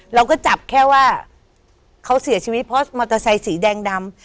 เราก็จับแค่ว่าเขาเสียชีวิตเพราะมอเตอร์ไซสีแดงดำ